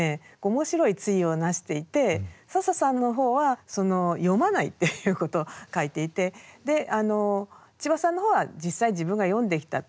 面白い対をなしていて笹さんのほうは読まないっていうことを書いていてであの千葉さんのほうは実際自分が読んできたと。